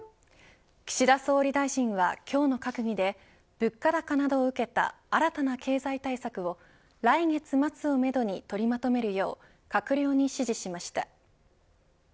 岸田総理大臣は今日の閣議で物価高などを受けた新たな経済対策を来月末をめどに取りまとめるよう閣僚に指示しました。